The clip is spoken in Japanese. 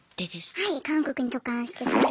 はい韓国に渡韓してソウルで。